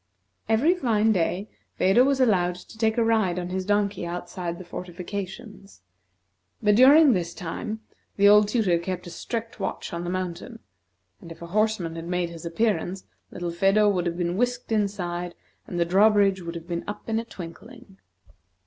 Every fine day, Phedo was allowed to take a ride on his donkey outside of the fortifications, but during this time, the old tutor kept a strict watch on the mountain; and if a horseman had made his appearance, little Phedo would have been whisked inside, and the drawbridge would have been up in a twinkling.